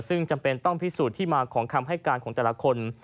ซึ่งจำเป็นต้องพิสูจน์ที่มาของคำให้การของแต่ละคน